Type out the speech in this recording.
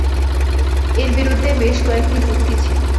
এর বিরুদ্ধে বেশ কয়েকটি যুক্তি ছিল।